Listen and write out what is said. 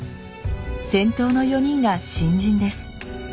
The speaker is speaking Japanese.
先頭の４人が新人です。